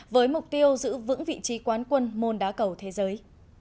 với mục tiêu giữ vững vị trí quán quân môn đá cầu thế giới